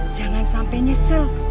jangan sampai nyesel